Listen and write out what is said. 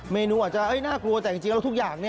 เมนูอาจจะน่ากลัวแต่จริงแล้วทุกอย่าง